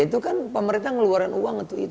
itu kan pemerintah ngeluarin uang